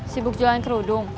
sibuk jualan kerudung